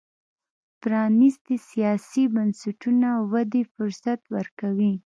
پرانیستي سیاسي بنسټونه ودې فرصت ورکوي.